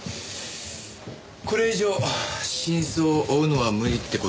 これ以上真相を追うのは無理って事ですかね？